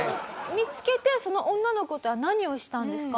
見つけてその女の子とは何をしたんですか？